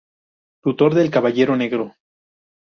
Tutor del Caballero Negro.